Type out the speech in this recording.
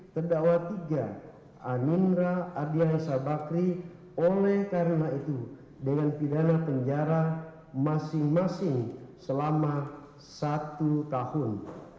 terdakwa tiga anindra ardian sabakri oleh karena itu dengan pidana penjara masing masing selama satu tahun